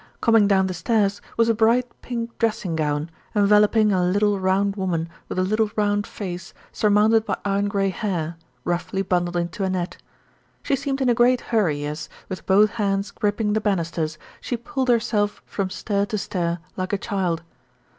Coming down the stairs was a bright pink dressing gown, enveloping a little round woman with a little round face surmounted by iron grey hair, roughly bundled into a net. She seemed in a great hurry as, with both hands gripping the banisters, she pulled herself from stair to stair like a child.